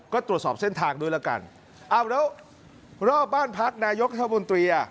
ก็ตรวจสอบเส้นทางด้วยแล้วกันอ้าวแล้วรอบบ้านพักนายกธมนตรีอ่ะ